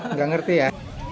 nggak ngerti ya